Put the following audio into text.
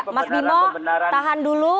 mas bimo tahan dulu